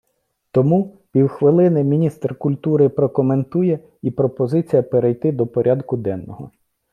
Тому, півхвилини, міністр культури прокоментує і пропозиція перейти до порядку денного.